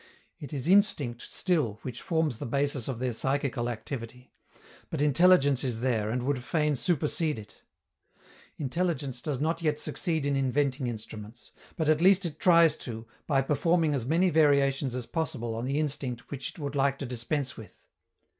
It is instinct still which forms the basis of their psychical activity; but intelligence is there, and would fain supersede it. Intelligence does not yet succeed in inventing instruments; but at least it tries to, by performing as many variations as possible on the instinct which it would like to dispense with.